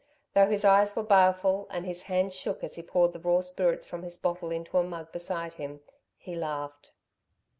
Though his eyes were baleful, and his hands shook as he poured the raw spirits from his bottle into a mug beside him, he laughed.